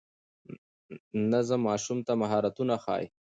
نظم ماشوم ته مهارتونه ښيي.